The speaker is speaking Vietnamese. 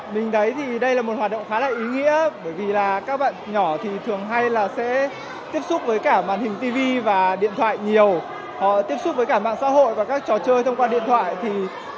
mình thấy đây là một hoạt động khá là ý nghĩa bởi vì các bạn nhỏ thường hay tiếp xúc với cả mạng xã hội và các trò chơi thông qua điện thoại